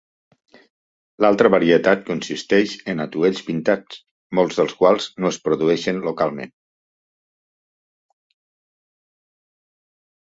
L'altra varietat consisteix en atuells pintats, molts dels quals no es produeixen localment.